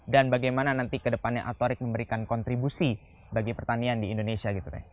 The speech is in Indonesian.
dan bagaimana nanti kedepannya altuarik memberikan kontribusi bagi pertanian di indonesia gitu